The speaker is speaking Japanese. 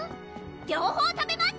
両方食べます！